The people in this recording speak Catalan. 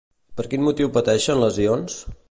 Per quin motiu pateixen lesions?